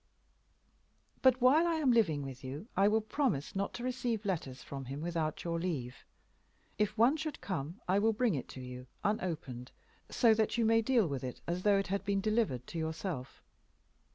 "But while I am living with you I will promise not to receive letters from him without your leave. If one should come I will bring it to you, unopened, so that you may deal with it as though it had been delivered to yourself.